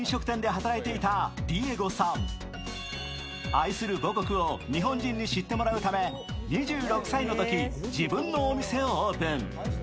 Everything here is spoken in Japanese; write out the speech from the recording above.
愛する母国を日本人に知ってもらうため２６歳のとき自分のお店をオープン。